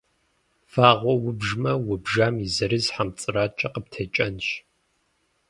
Вагъуэ убжмэ, убжам и зырыз хьэмцӏыракӏэ къыптекӏэнщ.